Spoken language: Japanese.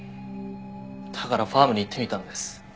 だからファームに行ってみたんです。